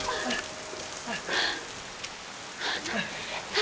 何？